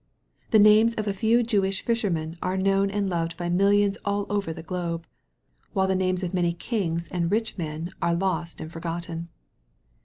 The names of a few Jewish fishermen are known and loved by millions all over the globe, while the names of many kings and rich men are lost and forgotten.